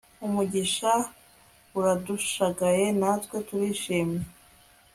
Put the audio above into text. umugisha uradushagaye natwe turishimye